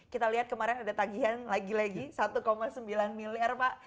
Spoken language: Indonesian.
kita lihat kemarin ada tagihan lagi lagi satu sembilan miliar pak